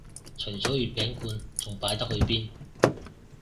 除咗月餅罐仲擺得去邊